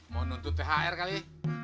mau nuntut thr kali